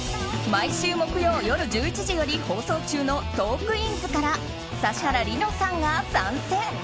毎週木曜夜１１時より放送中の「トークィーンズ」から指原莉乃さんが参戦。